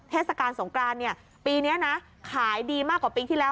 เทศกาลสงกรานเนี่ยปีนี้นะขายดีมากกว่าปีที่แล้ว